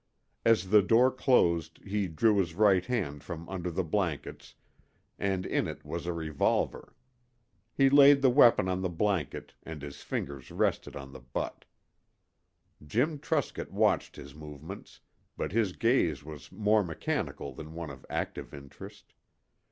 As the door closed he drew his right hand from under the blankets, and in it was a revolver. He laid the weapon on the blanket, and his fingers rested on the butt. Jim Truscott watched his movements, but his gaze was more mechanical than one of active interest.